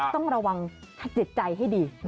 ต้องระวังให้เจ็ดใจให้ดี